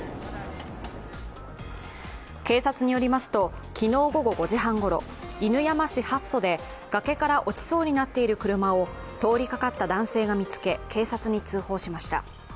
警察によりますと、昨日午後５時半ごろ、犬山市八曽で崖から落ちそうになっている車を通りかかった車が見つけ警察に通報しました。